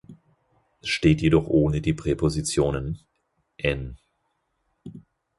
Es steht jedoch ohne die Präposition en.